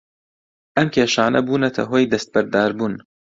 ئەم کێشانە بوونەتە هۆی دەستبەرداربوون